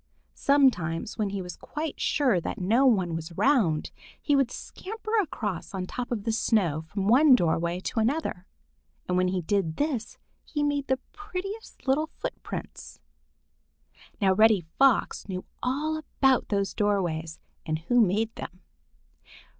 Sometimes, when he was quite sure that no one was around, he would scamper across on top of the snow from one doorway to another, and when he did this, he made the prettiest little footprints. Now Reddy Fox knew all about those doorways and who made them.